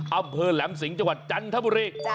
อำเภอแหลมสิงห์จังหวัดจันทบุรี